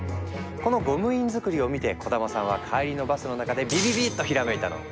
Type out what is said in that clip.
このゴム印作りを見て小玉さんは帰りのバスの中でビビビッとひらめいたの！